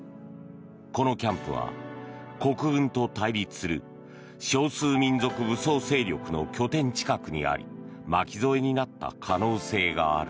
このキャンプは国軍と対立する少数民族武装勢力の拠点近くにあり巻き添えになった可能性がある。